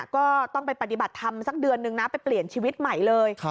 ก็ต้องไปปฏิบัติธรรมสักเดือนนึงนะไปเปลี่ยนชีวิตใหม่เลย